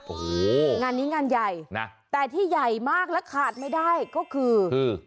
โอ้โหงานนี้งานใหญ่นะแต่ที่ใหญ่มากและขาดไม่ได้ก็คือ